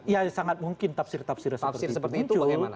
iya sangat mungkin tafsir tafsir seperti itu muncul